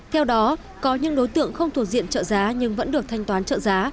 theo đó có những đối tượng không thuộc diện trợ giá nhưng vẫn được thanh toán trợ giá